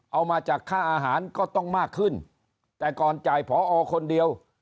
เอามาจากค่าอาหารก็ต้องมากขึ้นแต่ก่อนจ่ายพอคนเดียว